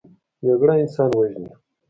جګړه انسان وژني